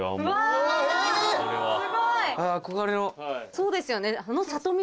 そうですよね。